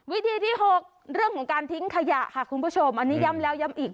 วิธีที่๖เรื่องของการทิ้งขยะค่ะคุณผู้ชมอันนี้ย้ำแล้วย้ำอีก